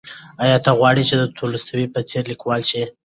ایا ته غواړې چې د تولستوی په څېر لیکوال شې؟